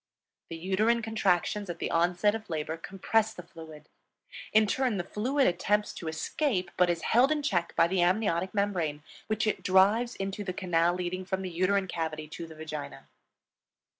The uterine contractions at the onset of labor compress the fluid; in turn the fluid attempts to escape but is held in check by the amniotic membrane, which it drives into the canal leading from the uterine cavity to the vagina.